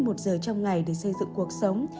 một giờ trong ngày để xây dựng cuộc sống